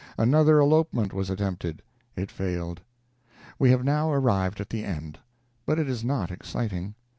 Another elopement was attempted. It failed. We have now arrived at the end. But it is not exciting.